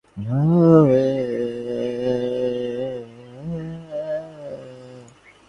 হাসি হইতে ক্রমে গুরুতর বিষয়ে পরিণতি ঘটিত।